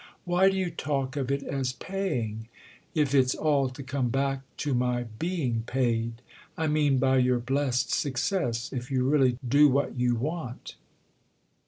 "Why do you talk of it as 'paying'—if it's all to come back to my being paid? I mean by your blest success—if you really do what you want."